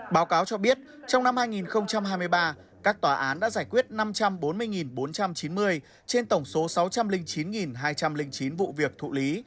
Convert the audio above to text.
báo cáo cho biết trong năm hai nghìn hai mươi ba các tòa án đã giải quyết năm trăm bốn mươi bốn trăm chín mươi trên tổng số sáu trăm linh chín hai trăm linh chín vụ việc thụ lý